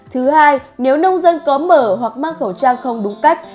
thứ hai nếu nông dân có mở hoặc mang khẩu trang không đúng cách